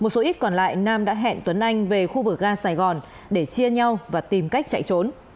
một số ít còn lại nam đã hẹn tuấn anh về khu vực ga sài gòn để chia nhau và tìm cách chạy trốn